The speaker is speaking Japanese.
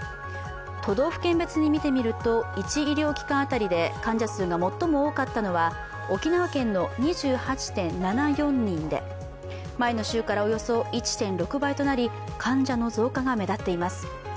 都道府県別に見てみると１医療機関あたりで患者数が最も多かったのは沖縄県の２８．７４人で、前の週からおよそ１．６倍となり、患者の増加が目立っています。